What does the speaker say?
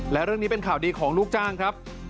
และเรื่องนี้เป็นข่าวดีของลูกจ้างครับ